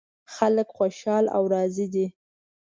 خلک خوشحال او راضي دي